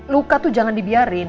luka itu jangan dibiarin